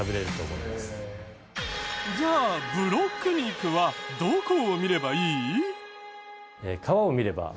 じゃあブロック肉はどこを見ればいい？